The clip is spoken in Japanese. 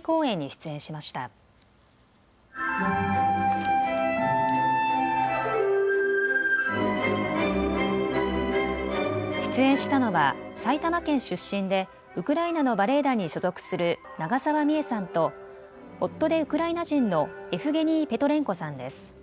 出演したのは埼玉県出身でウクライナのバレエ団に所属する長澤美絵さんと夫でウクライナ人のエフゲニー・ペトレンコさんです。